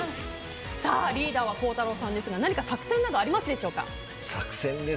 リーダーは孝太郎さんですが何か作戦などありますか。